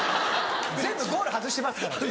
全部ゴール外してますから。